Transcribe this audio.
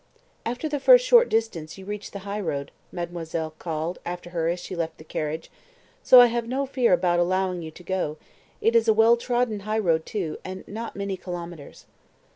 "After the first short distance you reach the highroad," mademoiselle called after her as she left the carriage, "so I have no fear about allowing you to go; it is a well trodden highroad, too, and not many kilometres."